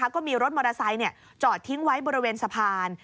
ก็มีรถมอเตอร์ไซค์จอดทิ้งไว้บริเวณสะพาน